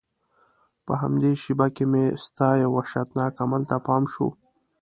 په همدې شېبه کې مې ستا یو وحشتناک عمل ته پام شو.